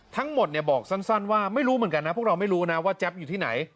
ทั้งหมดบอกสั้นว่าไม่รู้เหมือนกันนะพวกเราไม่รู้นะว่าแจ๊บอยู่ที่ไหน